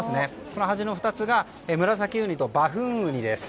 この端の２つがムラサキウニとバフンウニです。